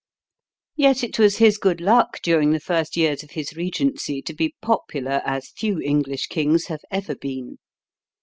Yet it was his good luck during the first years of his regency to be popular as few English kings have ever been.